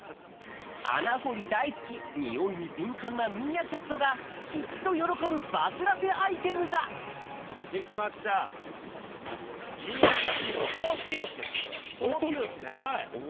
穴掘り大好きにおいに敏感なミーアキャットがきっと喜ぶバスらせアイテムが棒Ｔおしね。